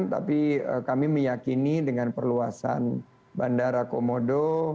tapi kami meyakini dengan perluasan bandara komodo